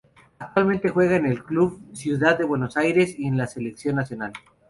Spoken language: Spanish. Actualmente juega en el Club Ciudad de Buenos Aires y en la Selección nacional.